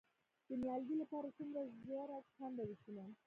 د نیالګي لپاره څومره ژوره کنده وکینم؟